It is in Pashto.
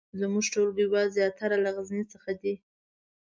زمونږ ټولګیوال زیاتره له غزني څخه دي